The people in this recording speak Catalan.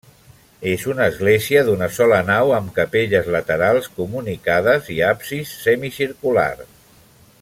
És una església d'una sola nau, amb capelles laterals comunicades i absis semicircular.